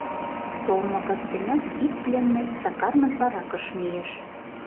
Толмо кастенак ик пленный Сакармыт баракыш мийыш.